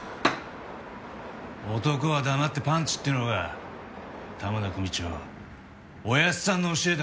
男は黙ってパンチっていうのが玉田組長おやっさんの教えだ。